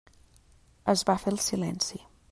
Es va fer el silenci.